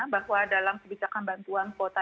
bahwa dalam kebijakan bantuan kuota